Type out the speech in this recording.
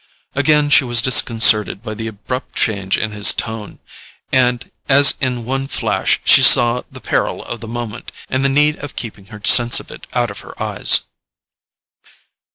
Again she was disconcerted by the abrupt change in his tone, and as in one flash she saw the peril of the moment, and the need of keeping her sense of it out of her eyes.